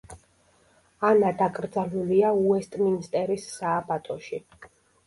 ანა დაკრძალულია უესტმინსტერის სააბატოში.